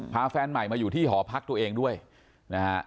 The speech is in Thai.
แฟนใหม่มาอยู่ที่หอพักตัวเองด้วยนะฮะ